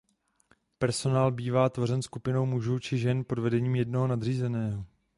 Personál bývá tvořen skupinou mužů či žen pod vedením jednoho nadřízeného.